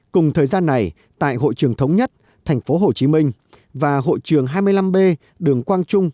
cùng thời gian này tại hội trường thống nhất thành phố hồ chí minh và hội trường hai mươi năm b đường quang trung